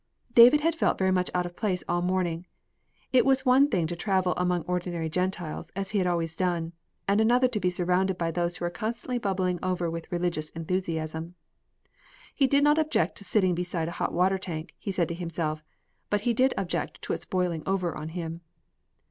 David had felt very much out of place all morning. It was one thing to travel among ordinary Gentiles, as he had always done, and another to be surrounded by those who were constantly bubbling over with religious enthusiasm. He did not object to sitting beside a hot water tank, he said to himself, but he did object to its boiling over on him.